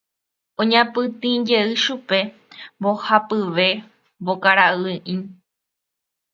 Oñapytĩjey chupe mbohapyve mbokara'ỹi.